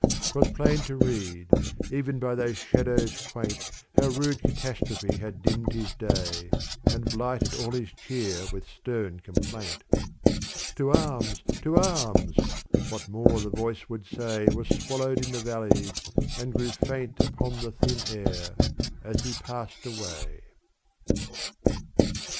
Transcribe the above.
'T was plain to read even by those shadows quaint How rude catastrophe had dimmed his day And blighted all his cheer with stern complaint. To arms, to arms, — what more the voice would say Was swallowed in the valleys and grew faint Upon the thin air as he passed away.